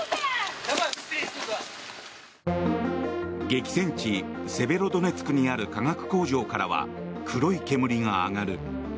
激戦地セベロドネツクにある化学工場からは黒い煙が上がる。